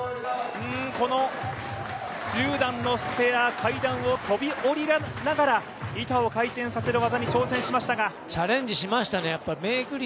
この１０段のステア階段をとびおりながら、板を回転させる技に挑戦しましたがチャレンジしましたねメイク率